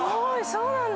そうなんだ。